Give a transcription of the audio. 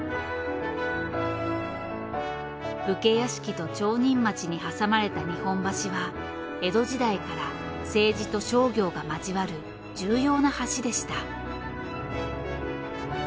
武家屋敷と町人街に挟まれた日本橋は江戸時代から政治と商業が交わる重要な橋でした。